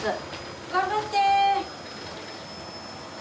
頑張って！